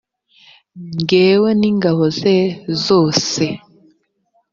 ngewe n ingabo ze zose